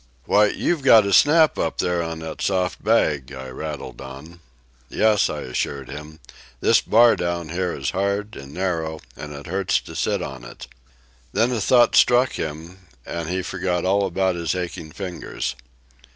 "'Why, you've got a snap up there on that soft bag," I rattled on. "Yes," I assured him, "this bar down here is hard and narrow, and it hurts to sit on it." Then a thought struck him, and he forgot all about his aching fingers.